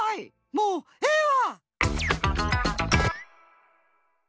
もうええわ！